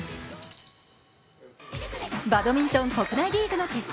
バドミントン国内リーグの決勝。